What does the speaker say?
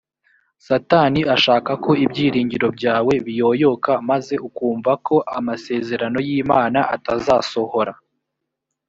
satani ashaka ko ibyiringiro byawe biyoyoka maze ukumva ko amasezerano y imana atazasohora